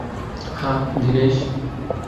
হ্যাঁ, দীনেশ?